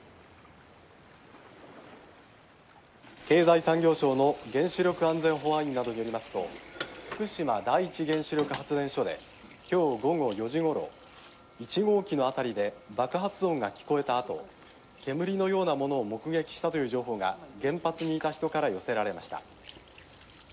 「経済産業省の原子力安全・保安院などによりますと福島第一原子力発電所で今日午後４時ごろ１号機の辺りで爆発音が聞こえたあと煙のようなものを目撃したという情報が原発にいた人から寄せられました。